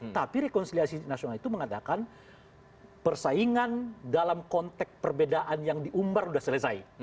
tapi rekonsiliasi nasional itu mengatakan persaingan dalam konteks perbedaan yang diumbar sudah selesai